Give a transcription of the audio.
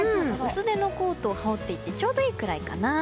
薄手のコートを羽織っていてちょうどいいくらいかな。